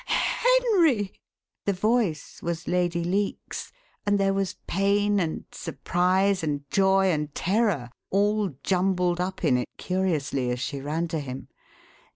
"Henry!" The voice was Lady Leake's, and there was pain and surprise and joy and terror all jumbled up in it curiously, as she ran to him.